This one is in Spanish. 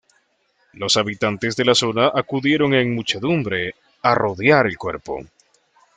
Los habitantes de la zona acudieron en muchedumbre a rodear el cuerpo.